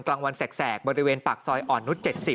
กลางวันแสกบริเวณปากซอยอ่อนนุษย๗๐